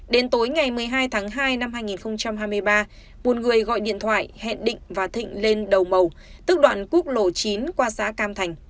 đến tối ngày một mươi hai tháng hai năm hai nghìn hai mươi ba một người gọi điện thoại hẹn định và thịnh lên đầu màu tức đoạn quốc lộ chín qua xã cam thành